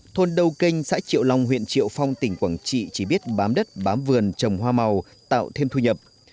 thôn đầu kênh xã triệu long huyện triệu phong tỉnh quảng trị chỉ biết bám đất bám vườn trồng hoa màu tạo thêm thu nhập